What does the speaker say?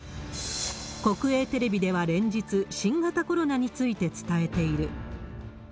国営テレビでは連日、新型コロナについて伝えている。